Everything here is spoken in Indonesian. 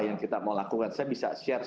yang kita mau lakukan saya bisa share